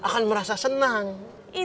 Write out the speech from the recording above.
dan tidak ada known